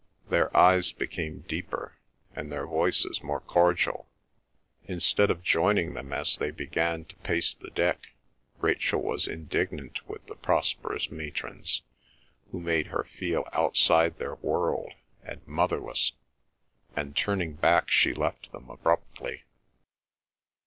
Their eyes became deeper, and their voices more cordial. Instead of joining them as they began to pace the deck, Rachel was indignant with the prosperous matrons, who made her feel outside their world and motherless, and turning back, she left them abruptly.